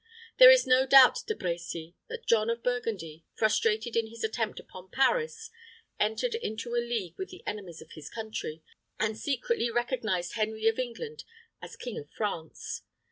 There is no doubt, De Brecy, that John of Burgundy, frustrated in his attempt upon Paris, entered into a league with the enemies of his country, and secretly recognized Henry of England as king of France.